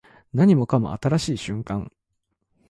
何もかも新しい瞬間